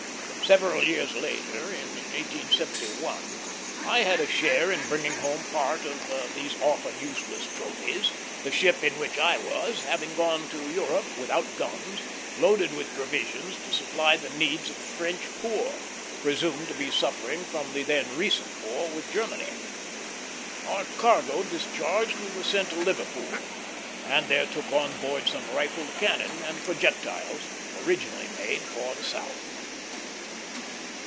Several years later, in 1871, I had a share in bringing home part of these often useless trophies; the ship in which I was having gone to Europe, without guns, loaded with provisions to supply the needs of the French poor, presumed to be suffering from the then recent war with Germany. Our cargo discharged, we were sent to Liverpool, and there took on board some rifled cannon and projectiles originally made for the South.